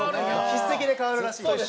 筆跡で変わるらしいです。